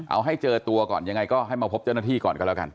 เอาให้เจอตัวก่อนยังไงก็ให้มาพบเจ้าหน้าที่ก่อนก็แล้วกัน